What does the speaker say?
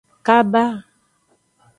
Kaba.